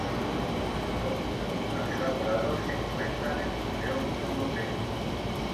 Dos de los más elaborados se encuentran en museos europeos.